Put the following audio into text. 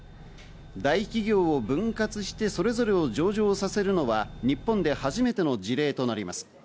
大企業を分割して、それぞれを上場させるのは日本で初めての事例となります。